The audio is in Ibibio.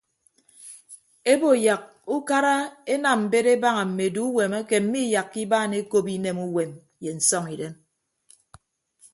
Ebo yak ukara enam mbet ebaña mme eduuwem ake miiyakka ibaan ekop inemuwem ye nsọñidem.